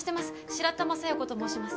白玉佐弥子と申します